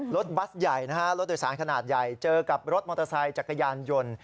บัสใหญ่นะฮะรถโดยสารขนาดใหญ่เจอกับรถมอเตอร์ไซค์จักรยานยนต์